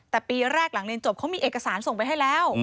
แต่ปีแรกหลังเรียนจบเขามีเอกสารส่งไปให้แล้ว